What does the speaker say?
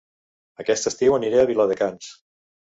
Aquest estiu aniré a Viladecans